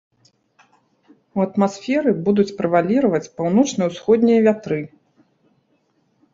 У атмасферы будуць прэваліраваць паўночна-ўсходнія вятры.